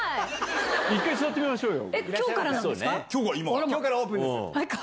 一回座ってみましょうよ。